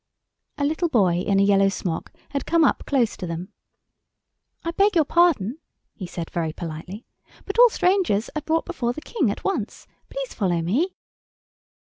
A little boy in a yellow smock had come up close to them. "I beg your pardon," he said very politely, "but all strangers are brought before the king at once. Please follow me."